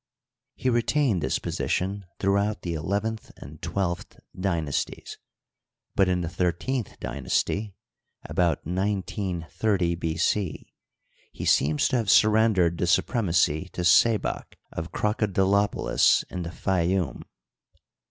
He retained this position throughout the elev enth and twelfth dynasties, but in the thirteenth dynasty (about 1930 B. C.) he seems to have surrendered the su premacy to Sebak, of Crocodilopolis in the Fayoum.